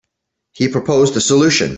He proposed a solution.